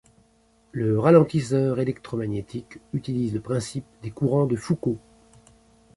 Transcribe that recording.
Le ralentisseur électromagnétique utilise le principe des courants de Foucault.